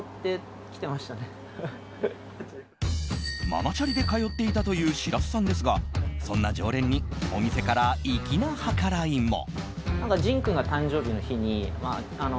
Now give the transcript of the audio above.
ママチャリで通っていたという白洲さんですがそんな常連にお店から、いきな計らいも。